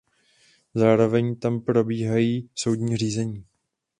Zároveň tam probíhají soudní řízení.